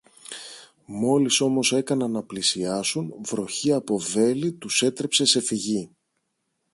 Μόλις όμως έκαναν να πλησιάσουν, βροχή από βέλη τους έτρεψε σε φυγή.